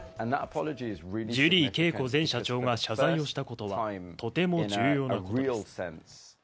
ジュリー景子前社長が謝罪をしたことはとても重要なことです。